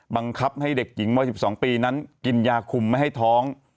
บังคับให้เด็กหญิงวัย๑๒ปีนั้นกินยาคุมไม่ให้ท้อง